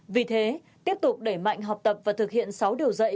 vì thế tiếp tục đẩy mạnh học tập và thực hiện sáu điều dạy